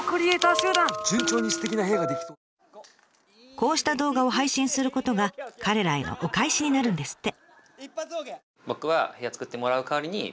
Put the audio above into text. こうした動画を配信することが彼らへのお返しになるんですって。